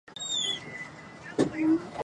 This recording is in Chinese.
假线鳞耳蕨为鳞毛蕨科耳蕨属下的一个种。